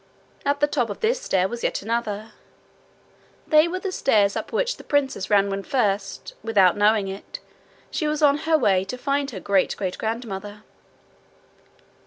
At the top of this stair was yet another they were the stairs up which the princess ran when first, without knowing it, she was on her way to find her great great grandmother.